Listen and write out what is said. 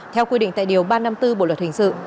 theo quy định tại điều ba trăm năm mươi bốn bộ luật hình sự